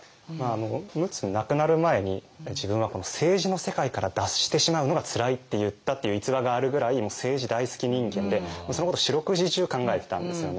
陸奥亡くなる前に「自分はこの政治の世界から脱してしまうのがつらい」って言ったっていう逸話があるぐらいもう政治大好き人間でもうそのことを四六時中考えてたんですよね。